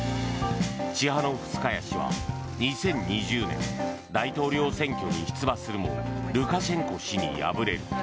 チハノフスカヤ氏は２０２０年大統領選挙に出馬するもルカシェンコ氏に敗れる。